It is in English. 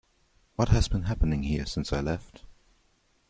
What has been happening here since I left?